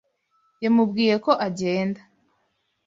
Yamubwiye ko agenda.